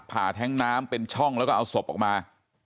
แท็งน้ำเป็นช่องแล้วก็เอาศพออกมา